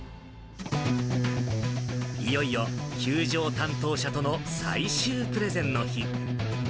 いよいよ、球場担当者との最終プレゼンの日。